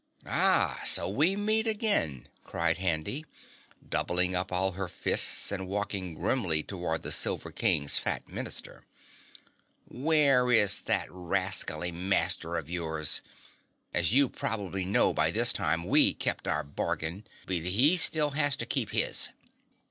"Ah, so we meet again!" cried Handy, doubling up all her fists and walking grimly toward the Silver King's fat Minister. "Where is that rascally Master of yours? As you probably know by this time, we kept our part of the bargain, but he still has to keep his."